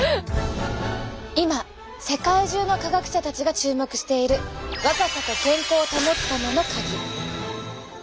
今世界中の科学者たちが注目している若さと健康を保つためのカギ。